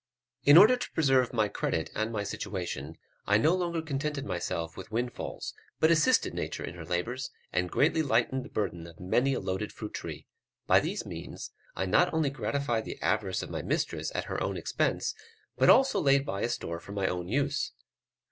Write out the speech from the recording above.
In order to preserve my credit and my situation, I no longer contented myself with windfalls, but assisted nature in her labours, and greatly lightened the burthen of many a loaded fruit tree; by these means, I not only gratified the avarice of my mistress at her own expense, but also laid by a store for my own use.